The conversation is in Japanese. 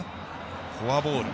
フォアボール。